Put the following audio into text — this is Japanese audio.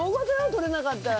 取れなかったら。